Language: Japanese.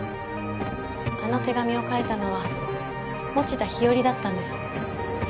あの手紙を書いたのは田日和だったんです。